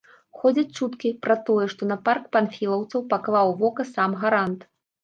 Ходзяць чуткі пра тое, што на парк панфілаўцаў паклаў вока сам гарант.